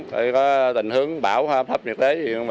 để có tình hướng bão hấp thấp nhiệt tế